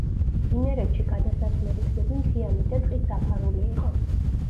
იმერეთში გადასასვლელი გზები მთიანი და ტყით დაფარული იყო.